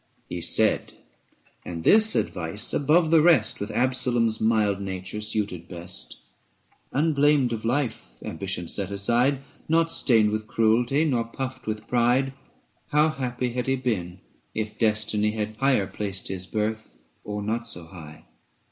He said, and this advice above the rest With Absalom's mild nature suited best ; Unblamed of life (ambition set aside), ABSALOM AND ACHITOPHEL. IOI Not stained with cruelty nor puffed with pride, 480 How happy had he been, if Destiny Had higher placed his birth or not so high